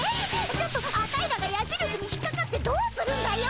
ちょっとアタイらがやじるしに引っかかってどうするんだよ。